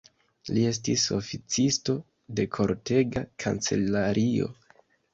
Li estis oficisto de kortega kancelario.